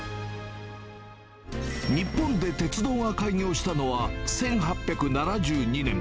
日本で鉄道が開業したのは、１８７２年。